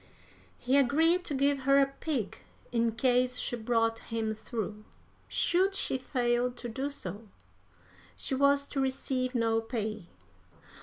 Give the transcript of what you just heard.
He agreed to give her a pig in case she brought him through; should she fail to do so, she was to receive no pay.